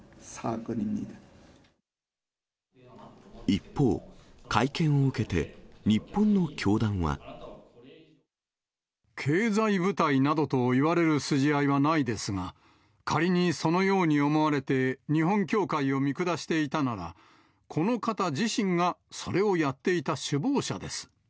一方、会見を受けて、日本の教団は。経済部隊などと言われる筋合いはないですが、仮にそのように思われて日本教会を見下していたなら、この方自身がそれをやっていた首謀者です。